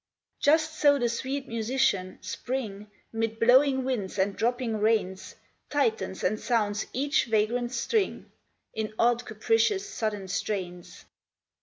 Just so the sweet muscian, Spring, 'Mid blowing winds and dropping rains, Tightens and sounds each vagrant string, In odd, capricious, sudden strains.